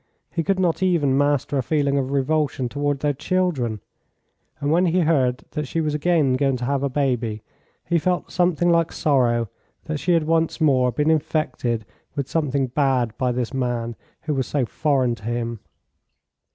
He could not even master a feeling of revulsion towards their children, and when he heard that she was again going to have a baby, he felt something like sorrow that she had once more been infected with something bad by this man who was so foreign to him.